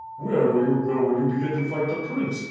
"Where will you go when yon begin to fight the prince?